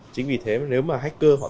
chính vì thế nếu mà hacker